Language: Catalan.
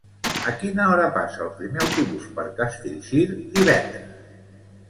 A quina hora passa el primer autobús per Castellcir divendres?